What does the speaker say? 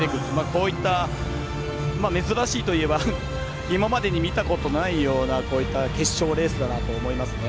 こういった珍しいといえば今までに見たことないような決勝レースだなと思いますね。